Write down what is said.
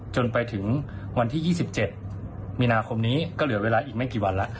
จนไปถึงวันที่ยี่สิบเจ็ดมีนาคมนี้ก็เหลือเวลาอีกไม่กี่วันล่ะ